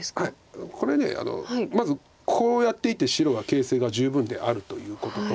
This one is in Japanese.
これまずこうやっていて白が形勢が十分であるということと。